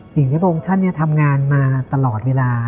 สิ่งที่พระองค์ท่านทำงานมาตลอดเวลา